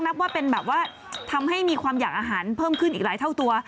นับว่าเป็นแบบว่าทำให้มีความอยากอาหารเพิ่มขึ้นอีกหลายเท่าตัว